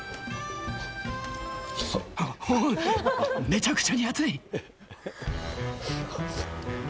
めちゃくちゃに熱い。